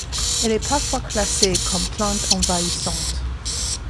Elle est parfois classée comme plante envahissante.